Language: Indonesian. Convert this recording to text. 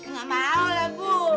nggak mau lah bu